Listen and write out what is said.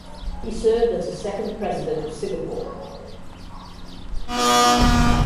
He served as the second President of Singapore.